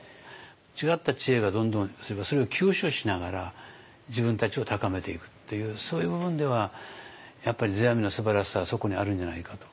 違った知恵がどんどんそれを吸収しながら自分たちを高めていくっていうそういう部分ではやっぱり世阿弥のすばらしさはそこにあるんじゃないかと。